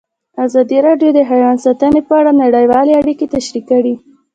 ازادي راډیو د حیوان ساتنه په اړه نړیوالې اړیکې تشریح کړي.